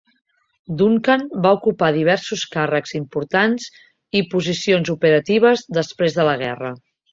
Duncan va ocupar diversos càrrecs importants i posicions operatives després de la guerra.